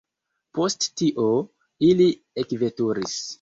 Post tio, ili ekveturis.